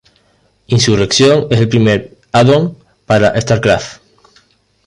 Insurrección es el primer "add-on" para "StarCraft'.